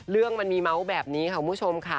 เรื่องมันมีเมาส์แบบนี้ค่ะคุณผู้ชมค่ะ